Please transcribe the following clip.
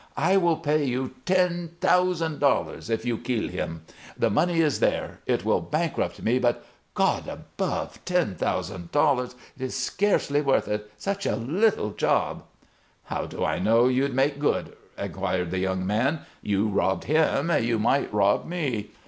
I will pay you ten thousand dollars if you kill him. The money is there. It will bankrupt me; but God above! Ten thousand dollars! It is scarcely worth it such a little job!" "How do I know you'd make good?" inquired the young man. "You robbed him. You might rob me."